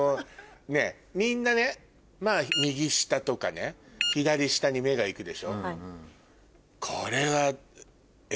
ねぇみんなねまぁ右下とかね左下に目がいくでしょ？